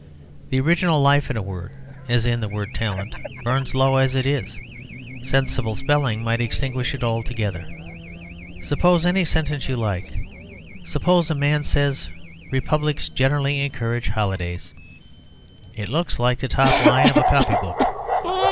The original life in a word (as in the word "talent") burns low as it is: sensible spelling might extinguish it altogether. Suppose any sentence you like: suppose a man says, "Republics generally encourage holidays." It looks like the top line of a copy book.